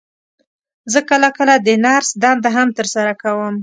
زه کله کله د نرس دنده هم تر سره کوم.